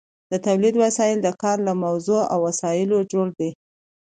د تولید وسایل د کار له موضوع او وسایلو جوړ دي.